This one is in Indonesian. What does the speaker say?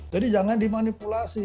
jadi jangan dimanipulasi